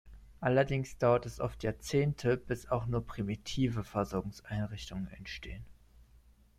Allerdings dauert es oft Jahrzehnte, bis auch nur primitive Versorgungseinrichtungen entstehen.